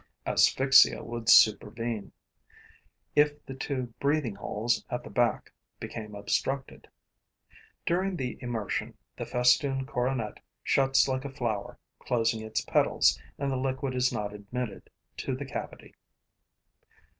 Asphyxia would supervene, if the two breathing holes at the back became obstructed. During the immersion, the festooned coronet shuts like a flower closing its petals and the liquid is not admitted to the cavity.